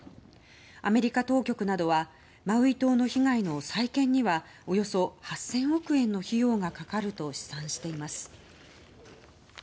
アメリカ当局などはマウイ島の被害の再建にはおよそ８０００億円の費用がかかると試算しています。